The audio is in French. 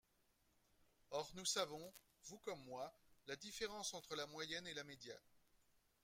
Or nous savons, vous comme moi, la différence entre la moyenne et la médiane.